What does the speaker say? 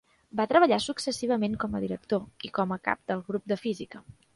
Va treballar successivament com a director i com a cap del grup de física.